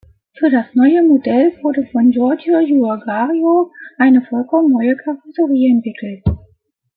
Für das neue Modell wurde von Giorgio Giugiaro eine vollkommen neue Karosserie entwickelt.